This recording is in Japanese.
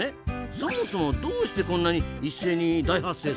そもそもどうしてこんなに一斉に大発生するんですかね？